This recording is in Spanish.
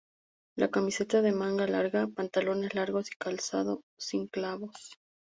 Camiseta de manga larga, pantalones largos y calzado sin clavos.